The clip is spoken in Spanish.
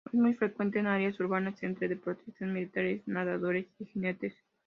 Es muy frecuente en áreas urbanas, entre deportistas, militares, nadadores y jinetes.